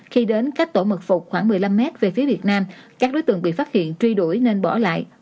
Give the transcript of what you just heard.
khi đến cách tổ mật phục khoảng một mươi năm m về phía việt nam các đối tượng bị phát hiện truy đuổi nên bỏ lại